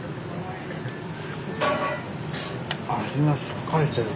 味がしっかりしてる。